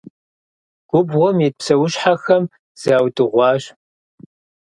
Губгъуэм ит псэущхьэхэм заудыгъуащ.